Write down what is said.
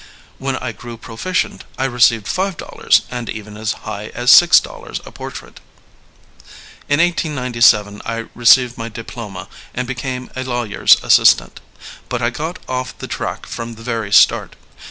When I grew proficient I received five dollars and even as high as six dollars a portrait. In 1897 I received my diploma and became a lawyer ^s assistant. But I got off the track from the very start.